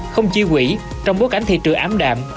không chi quỹ trong bối cảnh thị trường ám đạm